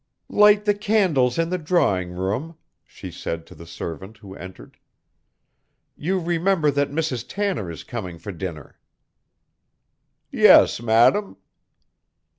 "Light the candles in the drawing room," she said to the servant who entered. "You remember that Mrs. Tanner is coming for dinner?" "Yes, madam."